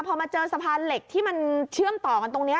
พอมาเจอสะพานเหล็กที่มันเชื่อมต่อกันตรงนี้